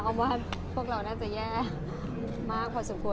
ว่าพวกเราน่าจะแย่มากพอสมควร